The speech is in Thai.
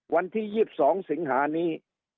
วันที่๒๒สิงหานี้